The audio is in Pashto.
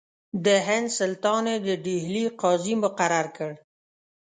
د هند سلطان یې د ډهلي قاضي مقرر کړ.